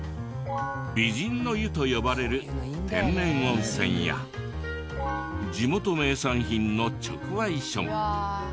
美人の湯と呼ばれる天然温泉や地元名産品の直売所も。